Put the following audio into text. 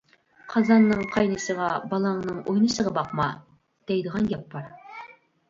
« قازاننىڭ قاينىشىغا، بالاڭنىڭ ئوينىشىغا باقما » دەيدىغان گەپ بار.